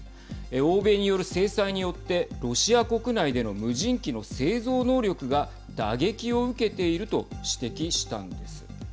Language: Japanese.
欧米による制裁によってロシア国内での無人機の製造能力が打撃を受けていると指摘したんです。